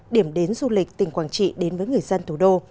điểm đến du lịch tỉnh quảng trị đến với người dân thủ đô